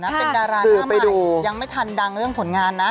เป็นดาราหน้าใหม่ยังไม่ทันดังเรื่องผลงานนะ